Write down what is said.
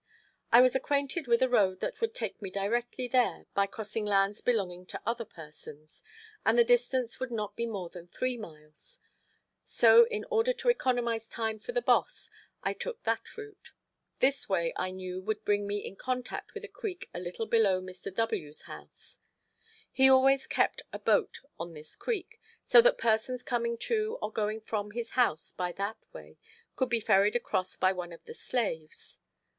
I was acquainted with a road that would take me directly there, by crossing lands belonging to other persons, and the distance would not be more than three miles; so in order to economize time for the boss I took that route. This way I knew would bring me in contact with a creek a little below Mr. W's house. He always kept a boat on this creek, so that persons coming to or going from his house by that way could be ferried across by one of the slaves.